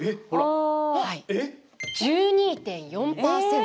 １２．４％。